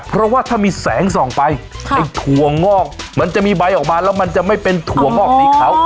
เพราะว่าถ้ามีแสงส่องไปไอ้ถั่วงอกมันจะมีใบออกมาแล้วมันจะไม่เป็นถั่วงอกสีขาว